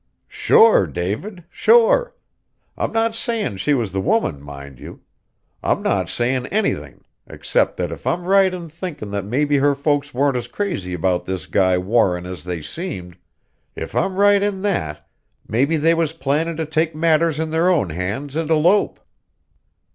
"Sure, David sure! I'm not sayin' she was the woman, mind you. I'm not sayin' anything except that if I'm right in thinkin' that maybe her folks weren't as crazy about this guy Warren as they seemed if I'm right in that, maybe they was plannin' to take matters in their own hands and elope."